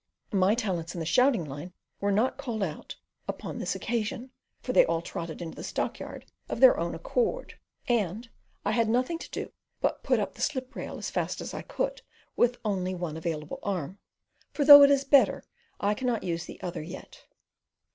My talents in the shouting line were not called out upon this occasion, for they all trotted into the stockyard of their own accord, and I had nothing to do but put up the slip rail as fast as I could with only one available arm, for though it is better, I cannot use the other yet.